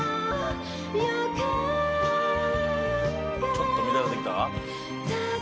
ちょっと乱れてきた？